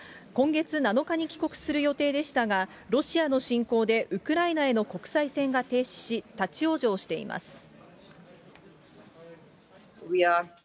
今月７日に帰国する予定でしたが、ロシアの侵攻でウクライナへの国際線が停止し、立往生しています。